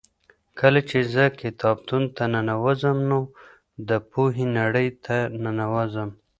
کله چې زه کتابتون ته ننوځم نو د پوهې نړۍ ته ننوځم.